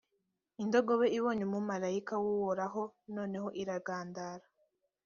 indogobe ibonye umumalayika w’uhoraho, noneho iragandara.